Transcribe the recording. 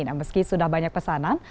nah meski sudah banyak pesanan